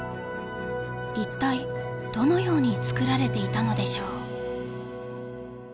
一体どのように作られていたのでしょう？